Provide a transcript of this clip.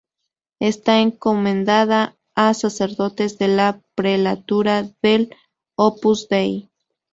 Está encomendada a sacerdotes de la Prelatura del Opus Dei.